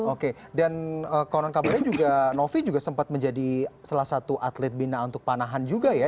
oke dan konon kabarnya juga novi juga sempat menjadi salah satu atlet bina untuk panahan juga ya